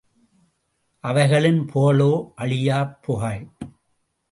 அவைகளின் புகழோ அழியாப் புகழ்.